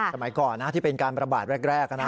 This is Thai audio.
สมัยก่อนนะที่เป็นการประบาดแรกนะ